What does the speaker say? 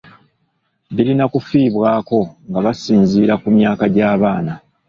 Birina kufiibwako nga basinziira ku myaka gy’abaana.